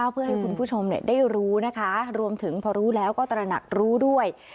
เพื่อให้คุณผู้ชมได้รู้นะคะรวมถึงพอรู้แล้วก็ตระหนักรู้ด้วย